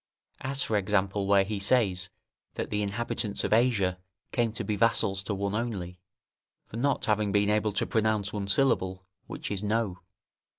As, for example, where he says' [In the Essay on False Shame.] that the inhabitants of Asia came to be vassals to one only, for not having been able to pronounce one syllable, which is No.